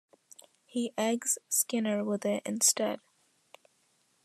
He eggs Skinner with it instead.